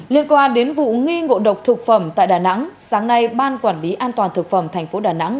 liên quan đến vụ nghi ngộ độc thực phẩm tại đà nẵng sáng nay ban quản lý an toàn thực phẩm thành phố đà nẵng